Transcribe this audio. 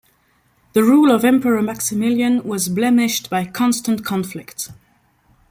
The rule of Emperor Maximilian was blemished by constant conflict.